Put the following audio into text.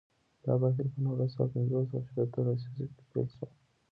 دا بهیر په نولس سوه پنځوس او شپیته لسیزو کې پیل شو.